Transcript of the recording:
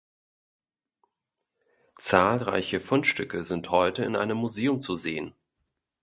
Zahlreiche Fundstücke sind heute in einem Museum zu sehen.